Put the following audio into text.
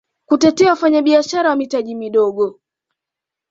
kutetea wafanyabiashara wa mitaji midogo